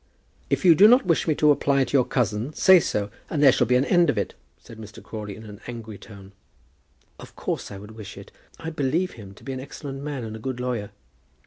"If you do not wish me to apply to your cousin, say so, and there shall be an end of it," said Mr. Crawley in an angry tone. "Of course I would wish it. I believe him to be an excellent man, and a good lawyer."